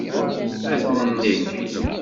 Ad t-neg.